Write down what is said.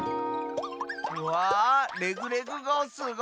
うわレグレグごうすごい！